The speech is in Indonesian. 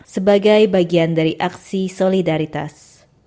sebagai bagian dari aksi solidaritas